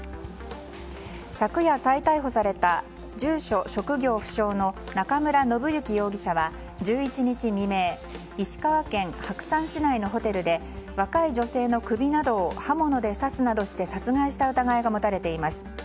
昨夜、再逮捕された住所・職業不詳の中村信之容疑者は１１日未明石川県白山市内のホテルで若い女性の首などを刃物で刺すなどして殺害した疑いが持たれています。